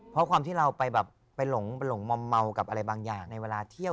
เพราะความที่เราไปแบบไปหลงมอมเมากับอะไรบางอย่างในเวลาเที่ยง